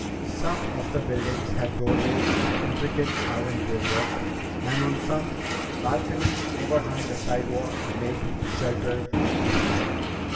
Some of the buildings had doorways of intricate iron grillwork, and on some, balconies overhung the sidewalks to make sheltered arcades.